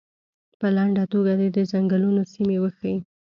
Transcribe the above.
په لنډه توګه دې د څنګلونو سیمې وښیي.